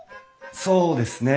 そうですね。